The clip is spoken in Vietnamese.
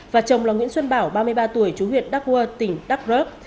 và chồng là nguyễn xuân bảo ba mươi ba tuổi chú huyện đắk ngua tỉnh đắk rớp